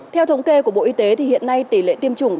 theo thống kê của bộ y tế hiện nay tỷ lệ tiêm chủng